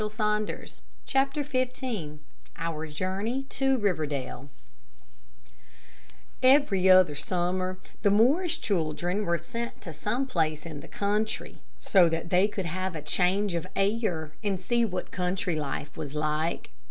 CHAPTER XV OUR JOURNEY TO RIVERDALE Every other summer, the Morris children were sent to some place in the country, so that they could have a change of air, and see what country life was like.